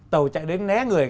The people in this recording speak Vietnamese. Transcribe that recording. tàu chạy đến né người